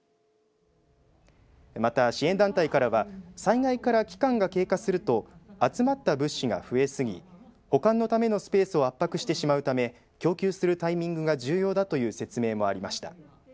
また、支援団体からは災害から期間が経過すると集まった物資が増え過ぎ保管のためのスペースを圧迫してしまうため供給するタイミングが重要だという説明もありました。